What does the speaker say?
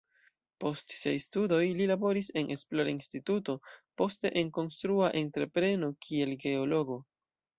Post siaj studoj li laboris en esplora instituto, poste en konstrua entrepreno kiel geologo.